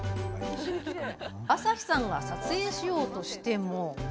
朝日さんが撮影しようとしても？